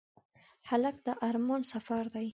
هلک د ارمان سفر دی.